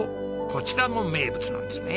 こちらも名物なんですね。